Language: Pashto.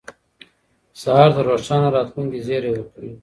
سهار د روښانه راتلونکي زیری ورکوي.